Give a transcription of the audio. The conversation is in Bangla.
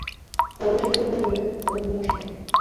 আগামী মাসের দিকে তাঁরা ড্রেনের কাজ করতে পারবেন বলে আশা করছেন।